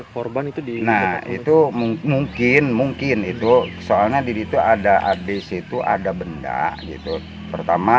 korban itu dina itu mungkin mungkin itu soalnya didi itu ada habis itu ada benda gitu pertama